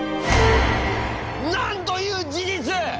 なんという事実！